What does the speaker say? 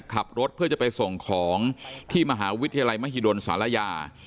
ขับรถเพื่อจะไปส่งของที่มหาวิทยาลัยมหิดลศาลายา